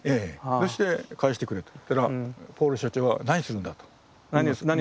そして「返してくれ」と言ったらポール所長は「何するんだ？」と。